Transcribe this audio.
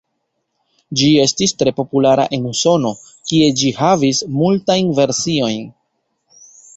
Ĝi estis tre populara en Usono, kie ĝi havis multajn versiojn.